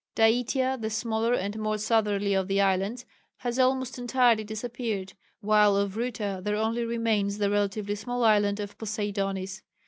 Daitya, the smaller and more southerly of the islands, has almost entirely disappeared, while of Ruta there only remains the relatively small island of Poseidonis.